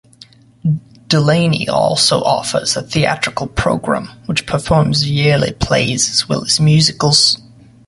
Dulaney also offers a theatrical program, which performs yearly plays as well as musicals.